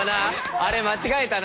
あれ間違えたな。